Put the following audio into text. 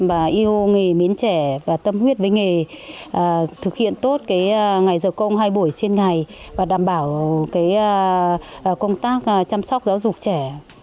nhiều nghề miễn trẻ và tâm huyết với nghề thực hiện tốt ngày giờ công hai buổi trên ngày và đảm bảo công tác chăm sóc giáo dục trẻ